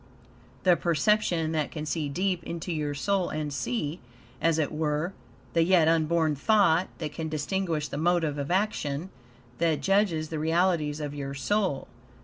The perception that can see deep into your soul and see, as it were, the yet unborn thought; that can distinguish the motive of action; that judges the realities of your soul.